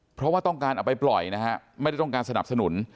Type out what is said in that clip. เพราะว่าต้องการเอาไปปล่อยนะฮะไม่ได้ต้องการสนับสนุน